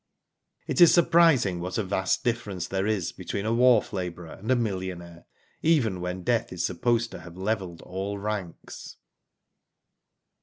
It is surprising what a vast difference there is between a wharf labourer and a millionaire, even when death is supposed to have levelled all ranks.